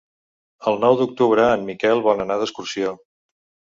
El nou d'octubre en Miquel vol anar d'excursió.